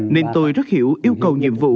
nên tôi rất hiểu yêu cầu nhiệm vụ